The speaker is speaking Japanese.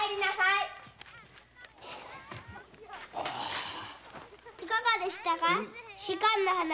いかがでしたか仕官は？